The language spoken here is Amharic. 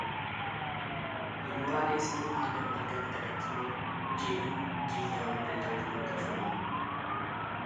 የሞራሌስን አገር መልቀቅ ተከትሎ ጄኒን ጊዝያዊ ፕሬዝዳንት ሆነው ተሾሙ።